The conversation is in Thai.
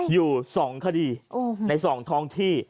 อยู่๒คดีใน๒ท้องที่